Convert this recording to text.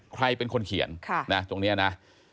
ใครเป็นคนเขียนตรงนี้นะ